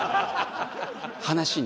話に。